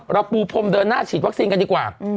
ปูพรมเดินหน้าฉีดวัคซีนกันดีกว่า